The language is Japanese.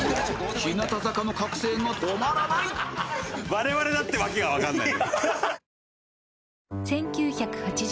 我々だってわけがわからない。